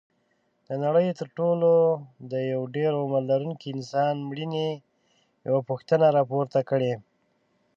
د نړۍ تر ټولو د ډېر عمر لرونکي انسان مړینې یوه پوښتنه راپورته کړې.